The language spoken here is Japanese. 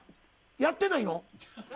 やってない。